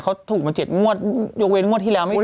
เขาถูกมา๗งวดยกเว้นงวดที่แล้วไม่ได้